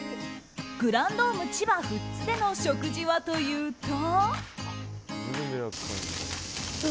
グランドーム千葉富津での食事はというと。